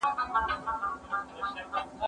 زه هره ورځ د ښوونځي کتابونه مطالعه کوم،